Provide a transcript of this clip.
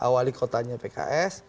wali kotanya pks